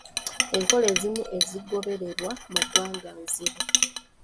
Enkola ezimu ezigobererwa mu ggwanga nzimbu.